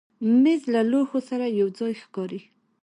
مېز له لوښو سره یو ځای ښکاري.